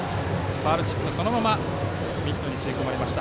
ファウルチップそのままミットに吸い込まれました。